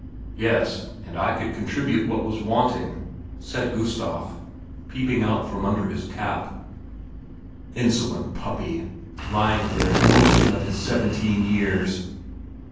"Yes, and I could contribute what was wanting," said Gustav, peeping out from under his cap. Insolent puppy, lying there and boasting of his seventeen years!